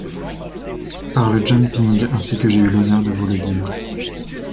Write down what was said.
Par le jumping, ainsi que j’ai eu l’honneur de vous le dire.